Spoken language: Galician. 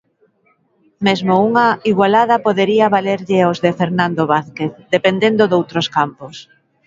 Mesmo unha igualada podería valerlle aos de Fernando Vázquez, dependendo doutros campos.